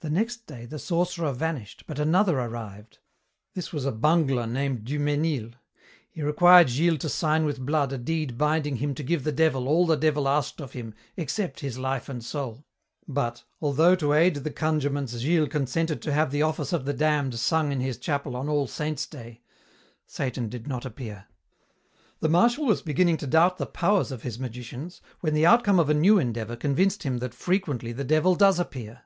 The next day the sorcerer vanished, but another arrived. This was a bungler named Du Mesnil. He required Gilles to sign with blood a deed binding him to give the Devil all the Devil asked of him "except his life and soul," but, although to aid the conjurements Gilles consented to have the Office of the Damned sung in his chapel on All Saints' Day, Satan did not appear. The Marshal was beginning to doubt the powers of his magicians, when the outcome of a new endeavor convinced him that frequently the Devil does appear.